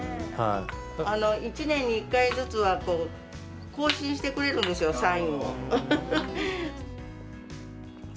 １年に１回ずつは更新してくれるんですよ、サインを。